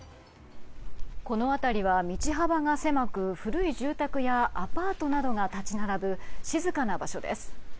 この辺りは道幅が狭く古い住宅やアパートなどが立ち並ぶ静かな場所です。